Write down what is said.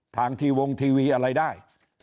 ทางที่วงทีวีอะไรได้